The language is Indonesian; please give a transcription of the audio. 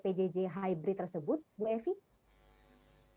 tentu peserta didik tersebut dapat menetujukan